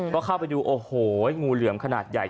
ก็เข้าไปดูโอ้โหงูเหลือมขนาดใหญ่